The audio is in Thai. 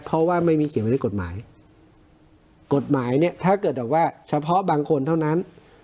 เพราะว่าไม่มีเกี่ยวไว้ในกฎหมายกฎหมายกฎหมายเนี่ยถ้าเกิดแบบว่าเฉพาะบางคนเท่านั้น